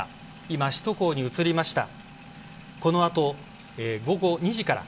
今、首都高に移りました。